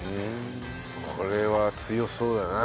これは強そうだな。